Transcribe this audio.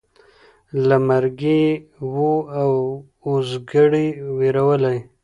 له مرګي یې وو اوزګړی وېرولی